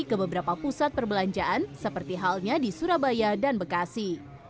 ke beberapa pusat perbelanjaan seperti halnya di surabaya dan bekasi